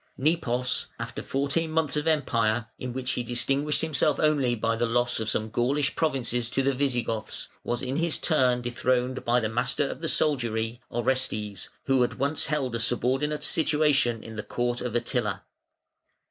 Nepos, after fourteen months of Empire, in which he distinguished himself only by the loss of some (Oct.,475) Gaulish provinces to the Visigoths, was in his turn dethroned by the Master of the Soldiery, Orestes, who had once held a subordinate situation in the court of Attila.